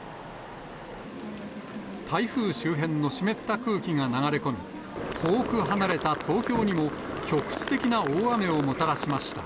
台風周辺の湿った空気が流れ込み、遠く離れた東京にも局地的な大雨をもたらしました。